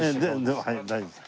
でも大丈夫です。